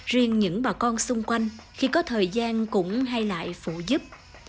riêng những bà con xung quanh khi có thời gian cũng hay lại phụ giúp